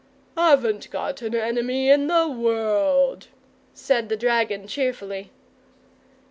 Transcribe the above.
"Haven't got an enemy in the world," said the dragon, cheerfully.